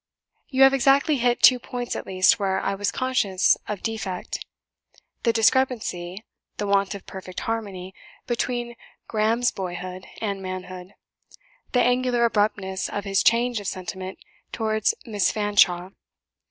You have exactly hit two points at least where I was conscious of defect; the discrepancy, the want of perfect harmony, between Graham's boyhood and manhood, the angular abruptness of his change of sentiment towards Miss Fanshawe.